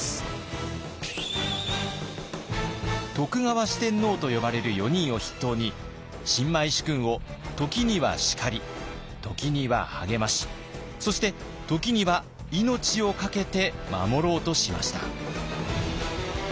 徳川四天王と呼ばれる４人を筆頭に新米主君を時には叱り時には励ましそして時には命を懸けて守ろうとしました。